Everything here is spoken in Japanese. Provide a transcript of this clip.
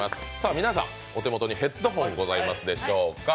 皆さん、お手元にヘッドホンございますでしょうか。